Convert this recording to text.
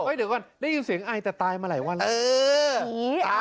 เดี๋ยวก่อนได้ยินเสียงไอแต่ตายมาหลายวันแล้ว